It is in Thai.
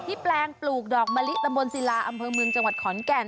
แปลงปลูกดอกมะลิตำบลศิลาอำเภอเมืองจังหวัดขอนแก่น